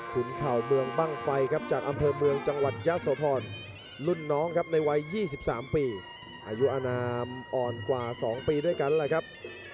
คุณเข่าเมืองบ้างไฟครับจากอำเภอเมืองจังหวัดยะโสธรรุ่นน้องครับในวัย๒๓ปีอายุอนามอ่อนกว่า๒ปีด้วยกันแหละครับ